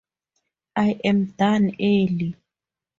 I am done early.